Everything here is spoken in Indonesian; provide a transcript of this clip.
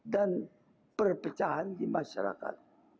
dan perpecahan di masyarakat